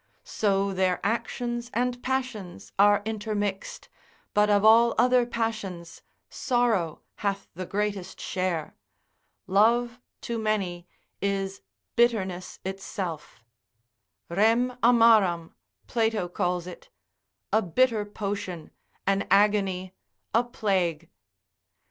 So their actions and passions are intermixed, but of all other passions, sorrow hath the greatest share; love to many is bitterness itself; rem amaram Plato calls it, a bitter potion, an agony, a plague.